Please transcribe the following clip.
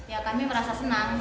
ya kami merasa senang